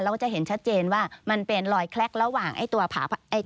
เราจะเห็นชัดเจนว่ามันเป็นลอยแคล็กระหว่างตัวฝาพนัก